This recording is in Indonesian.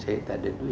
saya tidak ada duit